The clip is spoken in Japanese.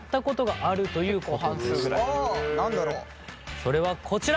それはこちら！